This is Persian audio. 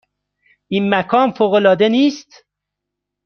این مکان فوق العاده نیست؟